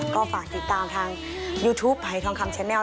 ก็ฝากติดตามทางยูทูปหายทองคำแชนแลล